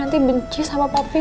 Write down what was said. nanti benci sama bapak api